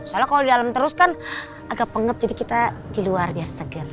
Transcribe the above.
soalnya kalau di dalam terus kan agak pengep jadi kita di luar biar seger